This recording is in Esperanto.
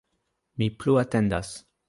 Mi plu atendas.